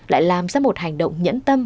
lại làm ra một hành động nhẫn tâm